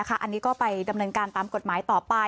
อันนี้ก็ไปดำเนินการตามกฎหมายต่อไป